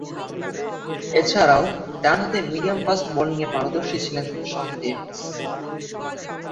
এছাড়াও, ডানহাতে মিডিয়াম-ফাস্ট বোলিংয়ে পারদর্শী ছিলেন শন ডেভিস।